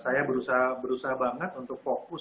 saya berusaha berusaha banget untuk fokus